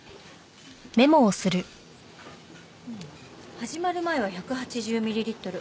始まる前は１８０ミリリットル。